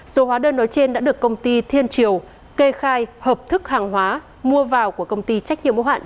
số hóa đơn nói trên đã được công ty thiên triều kê khai hợp thức hàng hóa mua vào của công ty trách nhiệm mô hạn